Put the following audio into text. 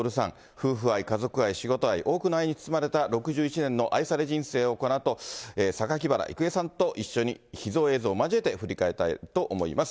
夫婦愛、家族愛、仕事愛、多くの愛に包まれた、６１年の愛され人生をこのあと、榊原郁恵さんと一緒に、秘蔵映像を交えて振り返りたいと思います。